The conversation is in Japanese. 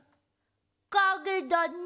かげだね。